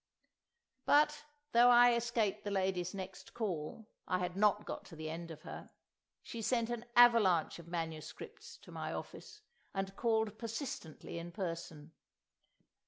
But, though I escaped the lady's next call, I had not got to the end of her. She sent an avalanche of MSS. to my office, and called persistently in person.